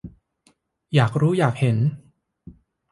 อยากรู้อยากเห็น